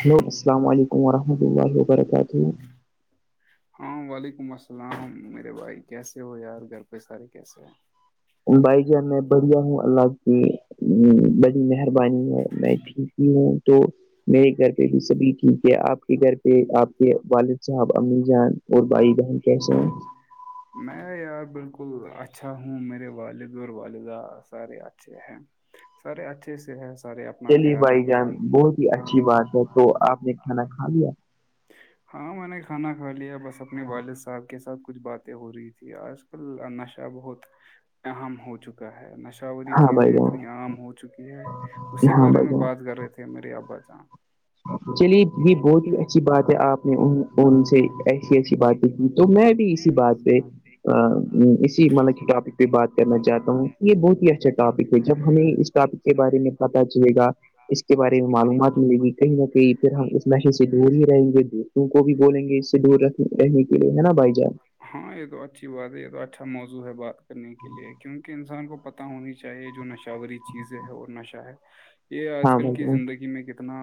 hello السلام علیکم ورحمۃ اللہ و برکاتہ ہاں وعلیکم السلام میرے بھائی کیسے ہو یار گھر پہ سارے کیسے ہیں بھائی جان میں بڑھیا ہوں اللہ کی مہربانی ہے میں ٹھیک ہی ہوں تو میرے گھر پہ بھی سبھی ٹھیک ہے آپ کے گھر پہ آپ کے والد صاحب امی جان اور بھائی بہن کیسے ہیں میں یار بالکل اچھا ہوں میرے والد اور والدہ سارے اچھے ہیں سارے اچھے سے ہے سارے اپنا چلیے خیال بھائی رکھے جان ہیں بہت اچھی بات ہے تو آپ نے کھانا کھا لیا ہاں میں نے کھانا کھا لیا بس اپنے والد صاحب کے ساتھ کچھ باتیں ہو رہی آج کل نشہ بہت اہم ہو چکا ہے نش اای ہاں چیزیں بھائی اتنی جان عام ہو چکی ہے اسی ہاں بارے بھائی میں جان بات کر رہے تھے میرے ابا جاں چلیے یہ بہت ہی اچھی بات ہے آپ نے ان ان سے ا اچھی باتیں ت تو میں بھی اسی بات پہ اسی مطلب ٹاپک بات کرنا چاہتا ہوں یہ بہت ہی اچھا ٹاپک ہے جب ہمیں اس ٹاپک کے بارے میں پتتا چلے گا اس اس کے بارے میں معلومات ملے گی کہیں نہ کہیں پھر ہم اس مشین سے دور ہی رہیں گے دوستوں کو بھی بولیں گے اس سے دور رکھنے رہنے کے لیے ہے نا بھائی جان ہاں یہ تو اچھی بات ہے یہ تو اچھا موضوع ہے بات کرنے کے لیے کیونک انسان کو پتا ہونی چاہیے جو نشہوری چیزیں ہے اور نشہ ہے یہ آج ہاں کل بھائی کی جان زندگی میں کتنا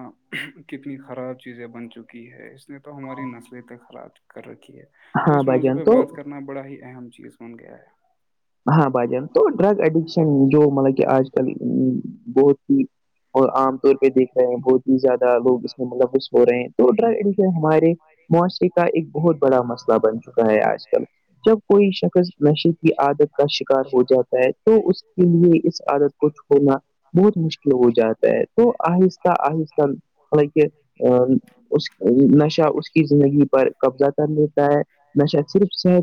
کتنی خراب چیزیں بن چکی ہے اس نے تو ہماری نسل تک خراب کر رکھی ہے تو ہاں اس بھائی موضوع جان پہ تو بات کریں کرنا بڑا ہی اہم چیز بن گیا ہے ہاں بھائی جان تو ڈرگ ایڈکشن جو مطلب کہ آج کل بہت ہی اور عام طور پہ دیکھ رہے ہیں بہت ہی زیادہ لوگ اس میں ملوث ہو رہے ہیں تو ڈرڈ ہمارے معاشرے کا ایک بہت بڑا مسئلہ بن چکا ہے آج کل جب کوئی شخص نشے کی عادت کا شکار ہو جاتا ہے تو اس کے لیے اس عادت کو چھوڑنا بہت مشکل ہو جاتا ہے تو آہستہ آہستہ مطل کہ ا اس نشہ اس کی زندگی پر قبضہ کر لیتا ہے نشا صرف صح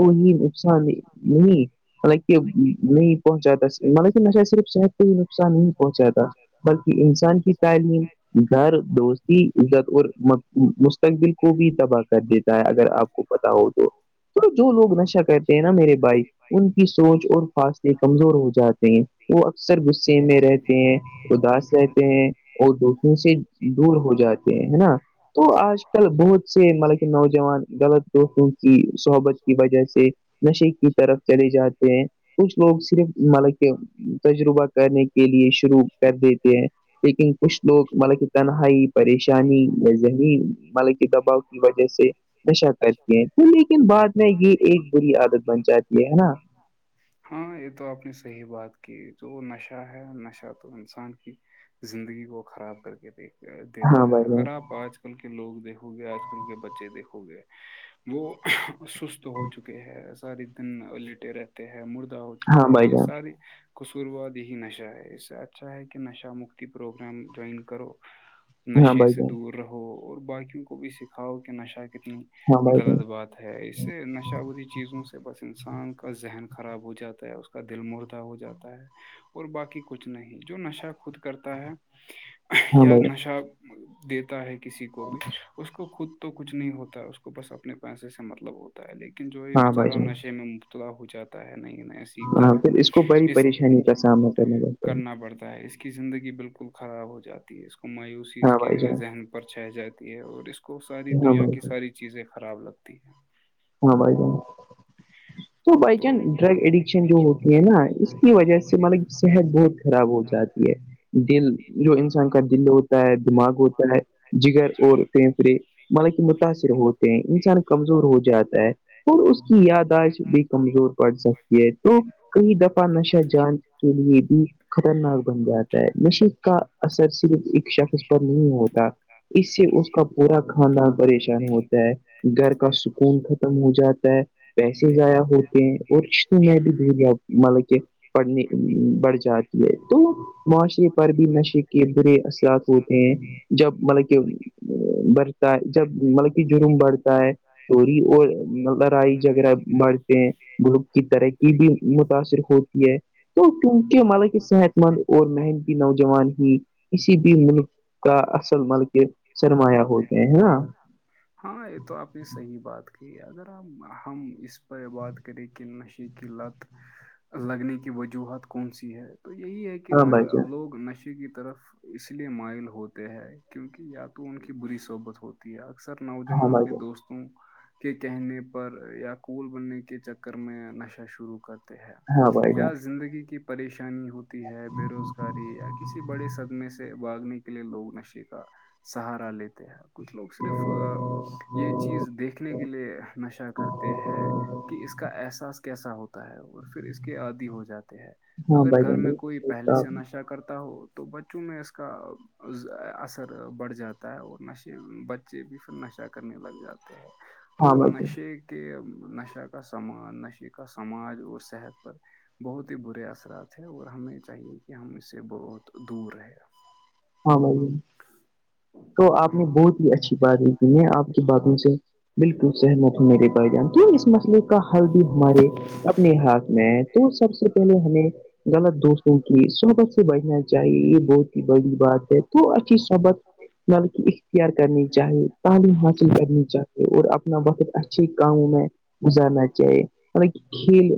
کو ہی نقصان نہیں مطلب کہ نہیں پہنچاتا مطلب کہ نشید صرف صحت کوہ ہی نقصان نہیں پہنچاتا بلکہ انسان کی تعلیم گھر دوستی عزت اور ت دل کو بھی تباہ کر دیتا ہے اگر آپ کو پت ہو تو تو جو لوگ نشہ کرتے ہیں نا میرے بھائیک ان کی سوچ اور فاصلے کمزور ہو جاتے ہیں وہ اکثر غصے میں رہتے ہیں اداس رہتے ہیں اور دوستوں سے دور ہو جاتے ہیں ہے نا تو آج کل بہت سے مطلب کہ نوجوان غلط دوستوں کی صحبت کی وجہ سے نشے کی طرف چلے جاتے ہیں کچھ لوگ صرف مطلب کہ تجربہ کرنے کے لیے شروع کر دیتے ہیں لیکن کچھ لوگ مل کی تنہائی پریشانی یا ذہنی مل کے دباؤ کی وجہ سے نشہ کرتی ہیں لیکن بعد میں یہ ایک بری عادت بن جاتی ہے نا ہاں یہ تو آپ نے صحیح بات کی جو نشہ ہے نشہ تو انسان زندگی کو خراب کر کے دیک دیتا ہاں ہے بھائی اگر جان آپ آج آ کل کے لوگ دیکھو گے آج کل کے بچے دیکھو گے وہ سست ہو چکے ہیں سارے دن لیٹے رہتے ہیں مردہ ہو چکے ہاں ہیں بھائی یہ جان ساری قصورواد ہی نشہ ہے اس سے اچھا کہ کہ نشہ مکتی پروگرام جوائن کرو ہاں نشے بھائی سے جان دور رہو اور باقیوں کو بھی سکھاؤ کہ نشہ کتنی ہاں بھائی جان غلط بات ہے اس اس سے نشہ وی چیزوں سے بس انسان کا ذہن خراب ہو جاتا ہے اس کا دل مردہ ہو جاتا ہے اور بای کچھ نہیں جو نشہ خود کرتا ہے ہاں یا بھائی جان نشہ دیتا ہے کہ کسی کو بھی اس کو خود تو کچھ نہیں ہوتا ہے اس کو بس اپنے پیسے سے مطلب ہوتا ہے لیکن جو یہ ہاں بھائی بیچارا جان نشے میں مبتلا ہو جاتا ہے نہیں نئے سیکھتا ہاں ہے پھر اس کو بڑی اس کی پریشانی کا سامنا کرنا پڑتا ہے کرنا پڑتا ہے اس کی کی زندگی بالکل خراب ہو جاتی ہے اس کو مایوسی اس ہاں کے بھائی جان ذہن پر چہ جاتی ہے اور اس کو اس کو ساری ہاں دنیا بھائی کی جان ساری چیزیں خراب لگتی ہے ہاں بھائی ج تو بائی چانس ڈرگ ایڈکشن جو ہوتی ہے نا اس کی وجہ سے مطلب صحت بہت خراب ہو جاتی ہے دل جو انسان کا دل ہوتا ہے دماغ ہوتا ہے جگر اور پھیسڑے مطب کہ متاثر ہوتے ہیں انسان کمزور ہو جاتا اور اس کی یاداشت بھی کمزور پڑ سکتی ہے تو کئی دفعہ نشہ جان کے لیے بھی خطرناک بن جاتا ہے نشے کا اثر صرف ایک شخص پر نہیں ہوتا اس سے اس کا پورا خاندان پریشان ہوتا ہے گھر کا سکون خ ختم ہو جاتا ہے پیسے ضائع ہوتے ہیں اورش میں بھی د مطلب کہ پڑنے بڑھ جاتی ہے تو معاشرے پر بھی نشے کے برے اثرات ہوتے ہیں جب مطلب کہر جب مطلب کہ جرم بڑھتا ہے چوری اور لڑائی جھگڑہ بڑھتے ہیں بلوک کی ترقی بھی متاثر ہوتی ہے تو کیونکہ ملا صحت مند اور محنتی نوجوان ہی کسی بھی منف کا اصل مل کے سرمایہ ہو گئے ہے نا ہاں یہ تو آپ نے صحیح بات کہ اگر ہم ہم اس پہ بات کرے کہ نشے کی لت لگنے کی وجوہات کون سی ہے تو یہی ہے کہ ہاں کہ بھائی جان لوگ نش کی طرف اس لیے مائل ہوتے ہیں کیونکہ یا تو ان کی بری صحبت ہوتی اکثر ہاں نوجوان بھائی اپنے جان دوستوں کے کہنے پر یا کوول بننے کے چکر کر میں نشہ شروع کرتے ہیں ہاں بھائی جان یا زندگی کی پریشانی ہوتی ہے بے روزگاری یا کسی بڑے صدمے سے باگنے کی کے لیے لوگ نشے کا سہارا لیتے ہیں کچھ لوگ صرف یہ چیز دیکھنے کے لیے نشہ کرتے ہیں کہ اس کا احساس کیسا ہوتا ہے اور پھر اس کے آادی ہو جاتے ہیں ہاں اگر بھائی گھر جان میں بالکل کوئی صحیح پہلے کہا سے آپ نے نشہ کرتا ہو تو تو بچوں میں اس کا اثر بڑھ جاتا ہے اور نشے ب بچے بھی پھر نشہ کرنے لگ جاتے ہیں تو ہاں بھائی جان نشے کے نشہ کا سما نشے کا کا سماج اور صحت پر بہت ہی برے اثرات ہیں اور ہمیں چاہیے کہ ہم اس سے بہت دور رہے گا ہاں بھائی تو آپ نے بہت ہی اچھی بات ل کیھی ہے آپ کی باتوں سے بالکل سہمت ہ میرے بھائی جان تو اس مسئلے کا حل بھی ہمارے اپنے ہاتھ میں تو سب سے پہلے ہمیں غلط دوستوں کی سربت سے بیھنا چاہیے یہ بہت ہی بڑی بات ہے تو اچھی سبق مل کی اختیار کرنی چاہیے تعلیم حاصل کرنی چاہیے اور اپنا بہت اچھے کاموں میں ب جانا چاہ م کل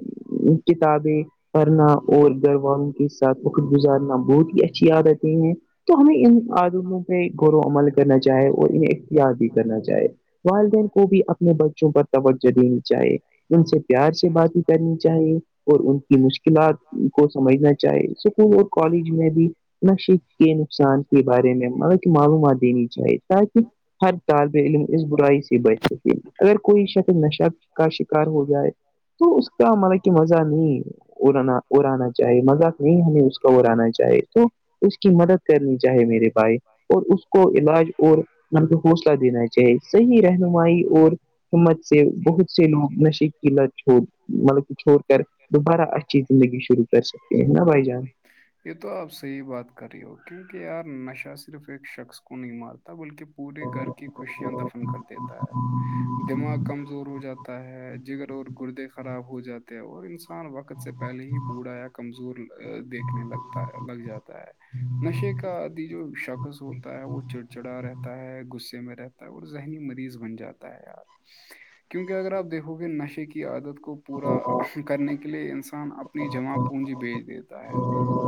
کتااب پڑھنا اور گھر والوں کے ساتھ وقت گزارنا بہت ہی اچھی یاد آتے ہیں تو ہمیں ان آدونوں پہ غور و عمل کرنا چاہے اور انہیں اختیار بھی کرنا چاہے والدین کو بھی اپنے بچوں پر توجہ دینی چاہے ان سے پیار سے باتیں کرنی چاہے اور ان کی مشکلات کو سمجھنا چاہے اسکول اور کالج میں بھی نشے کے نقصان کے بارے میں مطلب کہ معلومات دینی چاہی تاکہ ہر طالب علم اس برائی سے بچ سکے اگر کوئی شک نشق کا شکار ہو جائے تو اس کا ہملا کہ مزہ نہیں اڑانا اڑانا چاہے مذاق نہیں ہمیں اس کو اڑانا چاہے تو اس کی مدد کرنی چاہے میرے بھائی اور اس کو علاج اور مط کو حوصلہ دینا چاہیے صحیح رہنمائی اور ہمت سے بہت سے لوگ نش کی لت چھوڑ مطلب چھوڑ کر دوبارہ اچھی زندگی شروع کر سکتے ہیں نا بھائی جان یہ تو آپ صحیح بات کر رہی ہو کیونکہ یار نشہ صرف ایک شخص کو نہیں مارتا بلکہ پورے گھر کی خوشیاں دفن کر دیتا ہے دماغ کمزور ہو جاتا ہے جگر اور گردے خراب ہو جاتے اور انسان وقت سے پہلے ہی بوڑھا یا کمزور دیکھنے لگتا لگتا جاتا ہے نشے کا آدی جو شکص ہوتا ہے وہ چڑ چڑا رہتا ہے گس ںںںمیں رہتا ہے اور ذہنی مریض بن جاتا ہے یار کیونکہ اگر آپ دیکھو گے نشے کی عادت کو پورا کرنے کے لیے انسان اپب اپنی جمع پونجی بھیج دیتا ہے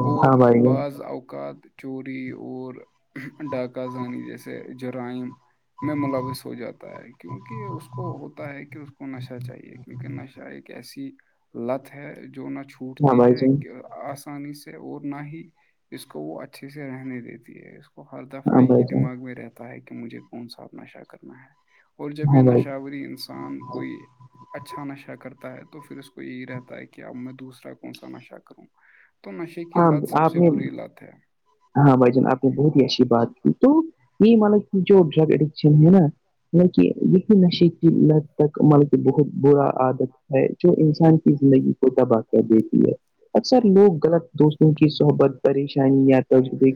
اور ہاں بھائی جان بعض اوقات چوری اور ڈاکہ زانی جیسے جرائم میں ملوث ہو جاتا ہے کیونکہ اس کو ہوتا ہے کہ اس کو نشہ چاہیے کیونکہ نشہ ایک ایسی لت ہے جو نہ ہاں چھوٹتی بھائی ہے جان آسانی سے اور نہ ہی اس کو وہ اچھے سے رہنے دیتی ہے وہ ہر دفعہ ہاں یہ بھائی ہی جان دماغ میں رہتا ہے کہ مجھے کون سا اپ نشا کرنا ہے اور جب یہ ہاں بھائی نشہوری انسان کوئی اچھا نشہ کرتا ہے تو پھر اس کو یہی رہتا ہے کہ اب میں دوسرا کون سا نشہ کروں تو نشے کی ہاں لت سب آپ سے نے بری لت ہے ہاں بھائی جان آپ نے بہت ہی اچھی بات کی تو یہ ملا کی جو ڈرگ ایڈکشن ہے نا بالکہ یہی نشے کی ند تک ملک بہت برا عادت ہے جو انسان کی زندگی تباہ کیا دیتی ہے اکثر لوگ غلط دوستوں کی سحبت پریشانیاں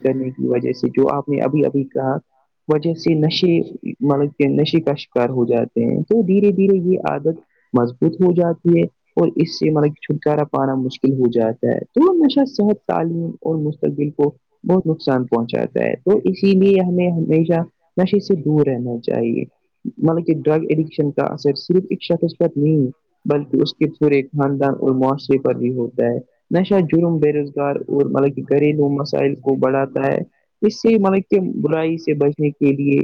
کرنے کی وجہ سے جو آپ نے ابھی ابھی کہا وجہ سے نشے مطلب کہ نشے کا شکار ہو جاتے ہیں تو دھیرے دھیرے یہ عادت مضبوط ہو جاتی ہے اور اس سے مطلب چھٹکارا پانا مشکل ہو جاتا ہے تو ہمیشہ صحت تعلیم اور مستقبل کو بہت نقصان پہنچاتا ہے تو اسی لیے ہمیں ہمیشہ نشے سے دور رہنا چاہیے مطلب کہ ڈرگ ایڈکشن کا اثر صرف ایک شخص پر نہیں ہے بلکہ اس کے خاندان اور معاشرے پر بھی ہوتا ہے نشہ جرم بے روزگار اور ملک قریوم مسائ کو بڑھاتا ہے اس سے ملب کہ برائی سے بچنے کے لیے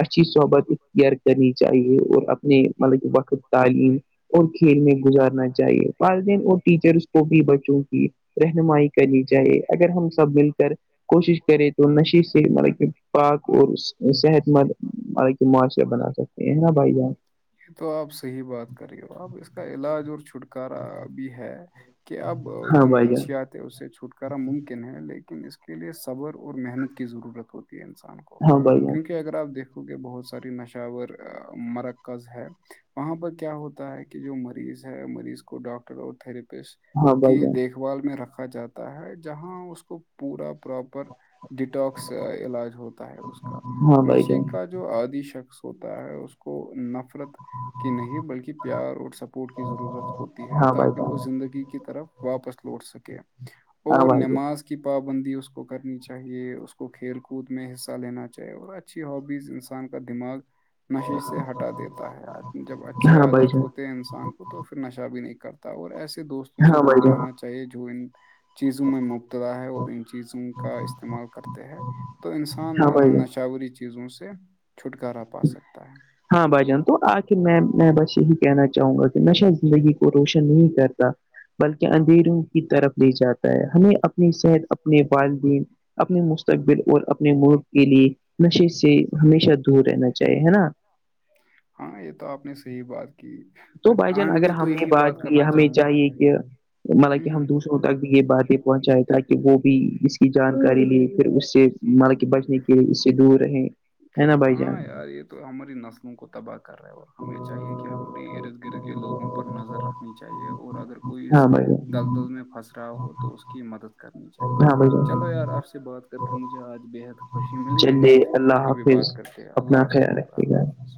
اچھی صحبت گئر کرنی چاہیے اور اپنے مطلب کہ وقف تعلیم اور کھیل میں گزارنا چاہیے والدین اور ٹیچرس کو بھی بچوں کی رہنمائی کرنی چاہیے اگر ہم سب مل کر کوشش کرے تو نشے سے مطلب کہ پاک اور صحت مند مطلب کہ معاشیاہ بنا سک ا نا بھ جان یہ تو آپ صحیح بات کر رہی ہو اپ اس کا علاج اور چھٹکارا بھی ہے کہ اب ہاں جو بھائی جان منشیات ہیں اس سے چھٹکارا ممکن ہے لیکن لیکن اس کے لیے صبر اور محنت کی ضرورت ہوتی ہے انسان کو ہاں بائی ج کیونکہ اگر آپ دیکھو گے بہت ساری نشاور مرکز ہے وہاں پر کیا ہوتا ہے کہ کہ جو مریض ہے مریض کو ڈاکٹر اور تھریاپسٹ ہاں بھائی کی جان دیکھ بھال میں رکھا جاتا ہے جہاں اس کو پورا پراپر ڈٹواکس علاج ہوتا ہے اس کا ہاں بھائی نشے جان کا جو جو آدی شخص ہوتا ہے اس کو نفرت کی نہیں بلکہ پیار اور سپورٹ کی ضرورت ہوتی ہے تاکہ وہ زندگی کی طرف واپس لوٹ سکے ہاں اور بھائی جان نماز کے کی پابندی اس کو کرنی چاہیے اس کو کھیل کود میں حصہ لینا چاہیے اور اچھا اچھی ہابیز انسان کا دماغ نشیش سے ہٹا دیتا ہے جب اچھے ہاں بھائی جان ہاں بھائی عادت جان ہوتے ہیں انسان تو پھر نشہ بھی نہیں کرتا اور ایسے دوستوں سے ہاں بھائی دور جان رہنا چاہیے جو ان چیزوں میں م اور ان چیزوں کا استعمال کرتے ہیں تو انسان ہاں بھائی ان جان نشاوری چیز چیزوں سے چھٹکارا پا سکتا ہے ہاں بھائی جان تو آخر میں میں بس یہی کہنا چاہوں گا کہ میں شا زندگی کو روشن نہیں کرتا بلکہ اندھیروں کی طرف لے جاتا ہے ہمیں اپنی صحت اپنے والدین اپنے مستقبل اور اپنے ملک کے لیے نشے سے ہمیشہ دور رہنا چاہیے ہے نا ہاں یہ تو آپ نے صحیح بات کی تو بھائی جان آن اگر میں تو ہم نے یہی بات کی کرنا ہمیں چاہوں گا چاہیے کہ مطلب کہ ہوں ہ ہم ہ دوشروں تک بھی یہ باتیں پہنچایا تھا کہ وہ بھی اس کی جانکاری لیے پھر اس سے مل کہ بچنے کی کہ اس سے دور ہے نا بھائی ہاں جان یار یہ تو ہماری نسلوں کو تباہ کر رہا ہے اور ہمیں چاہیے کہ ہمب اپنے ارد گرد کے لوگوں پر نظر رکھنی چاہیے اور اگر کوئی اس ہاں بھائی جان دل دل میں پھنس رہا ہو تو اس کی مدد کرنی چاہیے ہاں بھائی چلو جان یار آپ سے بات کر کے مجھے آج بےحد خوشی ملی چلیے پھر اللہ کبھی بات حافظ کرتے ہیں اللہ اپنا حاظ میں خیال جبا رکھیے اللہ گا حافظ